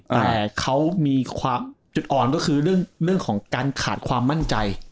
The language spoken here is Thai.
แต่เขามีความจุดอ่อนก็คือเรื่องของการขาดความมั่นใจ